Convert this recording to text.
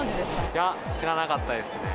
いや、知らなかったですね。